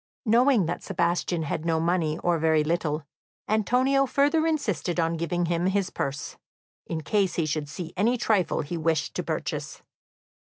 Knowing that Sebastian had no money, or very little, Antonio further insisted on giving him his purse, in case he should see any trifle he wished to purchase.